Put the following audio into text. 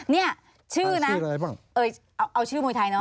เนี่ยชื่อนะชื่ออะไรบ้างเอ่ยเอาชื่อมวยไทยเนอ